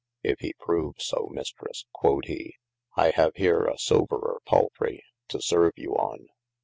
If he prove so mistres (quod he) I have here a soberer palfray to serve you on.